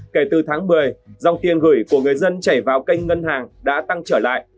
kể từ tháng một mươi dòng tiền gửi của người dân chảy vào kênh ngân hàng đã tăng trở lại